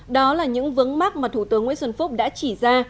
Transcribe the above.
đó là những vướng mắt mà thủ tướng nguyễn xuân phúc đã chỉ ra